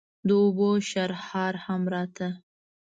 د اوبو شرهار هم راته.